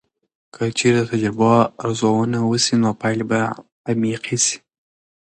که چیرې د تجربو ارزونه وسي، نو پایلې به عمیقې سي.